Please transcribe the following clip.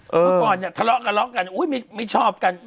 เมื่อก่อนทะเลาะกันไม่ชอบกัน